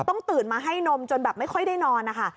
ตื่นมาให้นมจนแบบไม่ค่อยได้นอนนะคะ